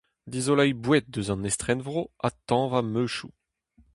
Dizoleiñ boued eus an estrenvro ha tañva meuzioù.